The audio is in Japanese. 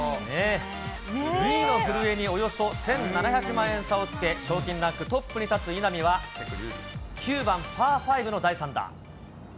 ２位の古江におよそ１７００万円差をつけ、賞金ランクトップに立つ稲見は９番パー５の第３打。